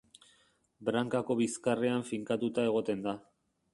Brankako bizkarrean finkatuta egoten da.